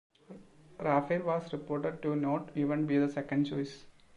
Rafale was reported to not even be the second choice.